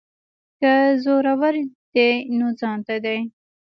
که زورور دی نو ځانته دی.